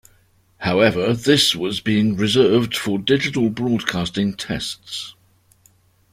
However, this was being reserved for digital broadcasting tests.